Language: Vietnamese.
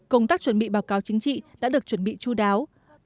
công tác chuẩn bị báo cáo chính trị đã được chuẩn bị chú đáo